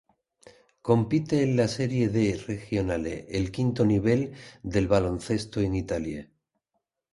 Compite en la Serie D regionale, el quinto nivel del baloncesto en Italia.